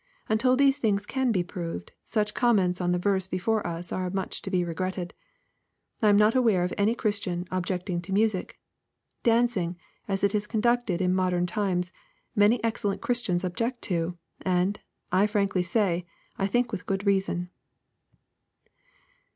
Until these things can be proved, such comments on the verse before us are much to be regretted. I am not aware of any Christian objecting to music. Dancing, as it is conducted in mod ern times, many excellent Christians object to, and, I frankly say, I think with good reason.